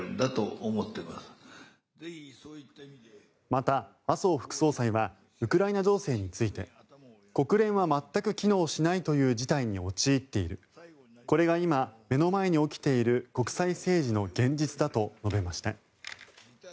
また、麻生副総裁はウクライナ情勢について国連は全く機能しないという事態に陥っているこれが今、目の前に起きている国際政治の現実だと述べました。